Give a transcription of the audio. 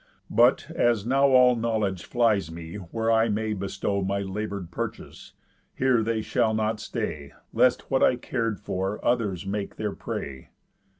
But, as now All knowledge flies me where I may bestow My labour'd purchase, here they shall not stay, Lest what I car'd for others make their prey.